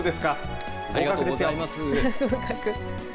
ありがとうございます。